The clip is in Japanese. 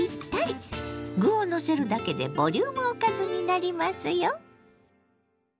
具をのせるだけでボリュームおかずになりますよ。